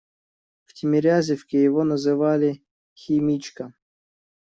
В Тимирязевке его называли «Химичка».